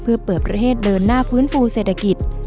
เพื่อเปิดประเทศเดินหน้าฟื้นฟูเศรษฐกิจ